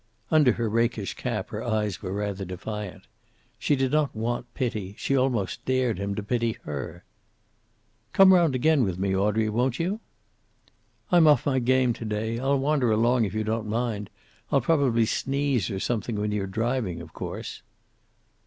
Under her rakish cap her eyes were rather defiant. She did not want pity; she almost dared him to pity her. "Come round again with me, Audrey, won't you?" "I'm off my game to day. I'll wander along, if you don't mind. I'll probably sneeze or something when you're driving, of course."